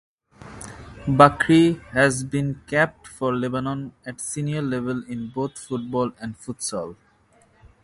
Bakri has been capped for Lebanon at senior level in both football and futsal.